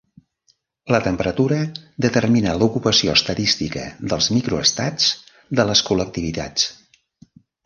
La temperatura determina l'ocupació estadística dels microestats de les col·lectivitats.